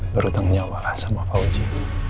bertemu nyawa sama fauzi